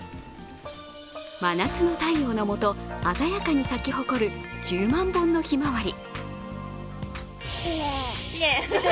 真夏の太陽のもと、鮮やかに咲き誇る１０万本のひまわり。